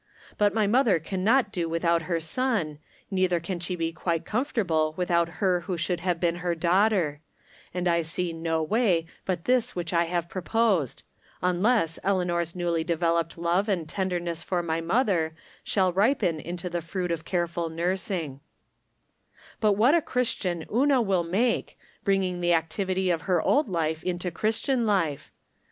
But my mother can not do without her son, neither can she be quite comfortable without her who should have been her daughter ; and I see no way but this which I have proposed, unless Eleanor's newly developed love and tenderness for my mother shall ripen into the fruit of careful nurs ing But what a Christian Una will make, bringing the activity of her old life into Chiistian life